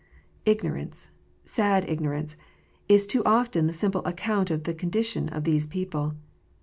Ignorance, sad ignorance, is too often the simple account of the condition of these people.